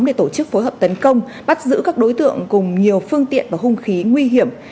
để tổ chức phối hợp tấn công bắt giữ các đối tượng cùng nhiều phương tiện và hung khí nguy hiểm